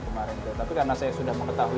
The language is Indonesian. kemarin tapi karena saya sudah mengetahui